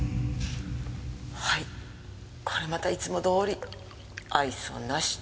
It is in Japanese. はいこれまたいつもどおり愛想なし。